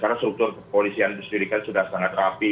karena struktur kepolisian dan kepustulian sudah sangat rapi